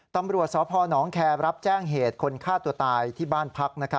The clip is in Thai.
ตำรวจสพนแคร์รับแจ้งเหตุคนฆ่าตัวตายที่บ้านพัก